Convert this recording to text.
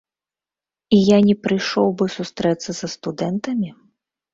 І я не прыйшоў бы сустрэцца са студэнтамі?